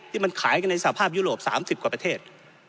ที่มันขายกันในสภาพยุโรป๓๐กว่าประเทศ